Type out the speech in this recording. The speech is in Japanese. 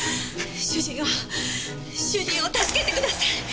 主人を主人を助けてください！